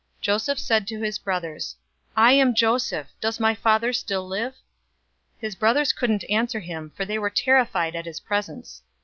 045:003 Joseph said to his brothers, "I am Joseph! Does my father still live?" His brothers couldn't answer him; for they were terrified at his presence.